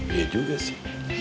iya juga sih